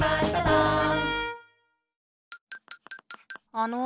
あの。